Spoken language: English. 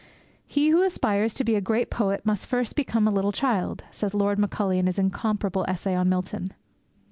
'He who aspires to be a great poet must first become a little child!' says Lord Macaulay in his incomparable essay on Milton.